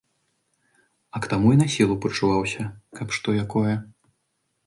А к таму й на сілу пачуваўся, каб што якое.